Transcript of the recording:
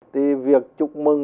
thì việc chúc mừng